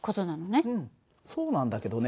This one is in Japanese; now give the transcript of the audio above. そうなんだけどね